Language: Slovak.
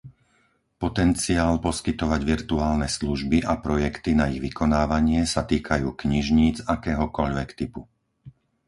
Potenciál poskytovať virtuálne služby a projekty na ich vykonávanie sa týkajú knižníc akéhokoľvek typu.